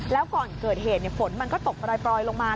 แล้วก่อนเกิดเหตุฝนมันก็ตกปล่อยลงมา